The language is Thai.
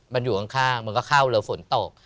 มันอยู่ข้างมันก็เข้าแล้วฝนตก